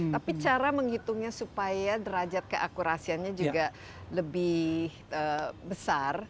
tapi cara menghitungnya supaya derajat keakurasiannya juga lebih besar